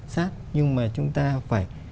sát nhưng mà chúng ta phải